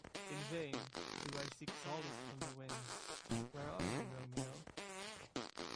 In vain do I seek solace from the winds... Where are you Romeo?